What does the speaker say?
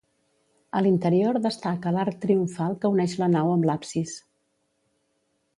A l'interior destaca l'arc triomfal que uneix la nau amb l'absis.